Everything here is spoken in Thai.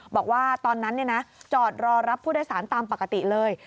บอกว่าตอนนั้นจอดรอรับผู้โดยสารตามปกติเลย